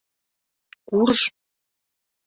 Курж!..